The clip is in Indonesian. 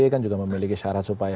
kan juga memiliki syarat supaya